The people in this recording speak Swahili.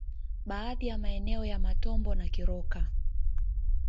Baadhi ya maeneo ya Matombo na Kiroka